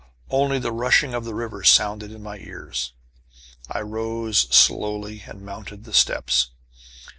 Only the rushing of the river sounded in my ears. I rose slowly, and mounted the steps.